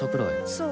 そう。